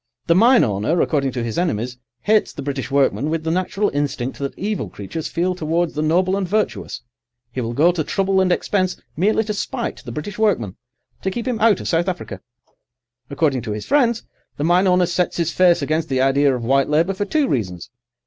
"The mine owner, according to his enemies, hates the British workman with the natural instinct that evil creatures feel towards the noble and virtuous. He will go to trouble and expense merely to spite the British workman, to keep him out of South Africa. According to his friends, the mine owner sets his face against the idea of white labour for two reasons.